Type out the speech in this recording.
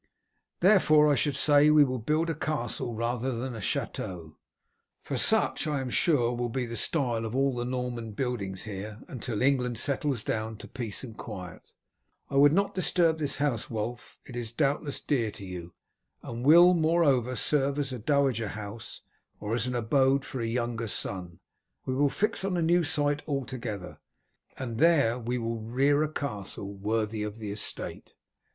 Therefore, I should say we will build a castle rather than a chateau, for such I am sure will be the style of all the Norman buildings here, until England settles down to peace and quiet. I would not disturb this house, Wulf; it is doubtless dear to you, and will, moreover, serve as a dowager house or as an abode for a younger son. We will fix on a new site altogether, and there we will rear a castle worthy of the estate.